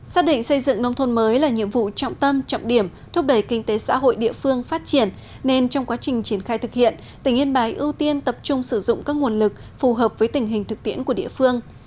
xác định xây dựng nông thôn mới là nhiệm vụ trọng tâm trọng điểm thúc đẩy kinh tế xã hội địa phương phát triển nên trong quá trình triển khai thực hiện tỉnh yên bái ưu tiên tập trung sử dụng các nguồn lực phù hợp với tình hình thực tiễn của địa phương